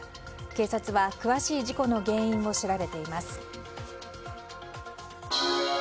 警察は詳しい事故の原因を調べています。